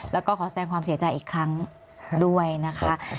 แล้วก็ขอแสงความเสียใจอีกครั้งด้วยนะคะ